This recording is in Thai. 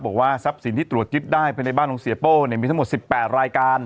บอกว่าทรัพย์สินที่ตรวจยึดได้ภายในบ้านของเสียโป้มีทั้งหมด๑๘รายการ